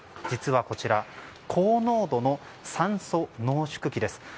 実はこちら高濃度の酸素濃縮器です。